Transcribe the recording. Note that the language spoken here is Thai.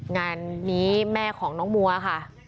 งานนี้แม่ของน้องมัวค่ะ